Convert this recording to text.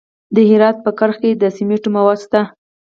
د هرات په کرخ کې د سمنټو مواد شته.